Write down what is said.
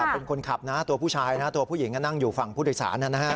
เป็นคนขับนะตัวผู้ชายนะตัวผู้หญิงก็นั่งอยู่ฝั่งผู้โดยสาร